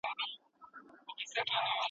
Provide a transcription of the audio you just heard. زده کړه د انټرنیټ په مرسته پولې نه مني.